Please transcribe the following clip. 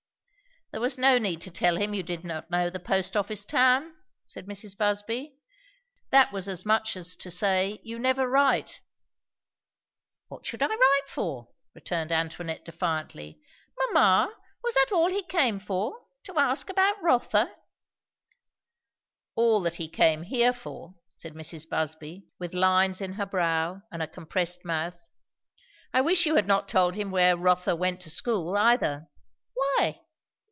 "There was no need to tell him you did not know the post office town," said Mrs. Busby. "That was as much as to say, you never write." "What should I write for?" returned Antoinette defiantly. "Mamma! was that all he came for? to ask about Rotha?" "All that he came here for," said Mrs. Busby, with lines in her brow and a compressed mouth. "I wish you had not told him where Rotha went to school, either." "Why?"